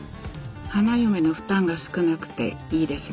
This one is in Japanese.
花嫁の負担が少なくていいですね。